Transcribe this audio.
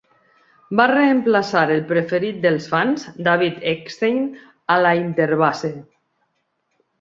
Va reemplaçar el preferit dels fans, David Eckstein, a la interbase.